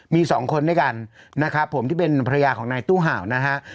มี๒คนด้วยกันที่เป็นภรรยาของนายตู้ห่าวนะครับ